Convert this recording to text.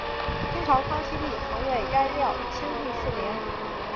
清朝康熙帝曾为该庙亲自赐名。